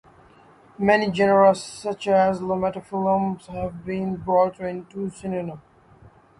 Many genera, such as "Lomatophyllum", have been brought into synonymy.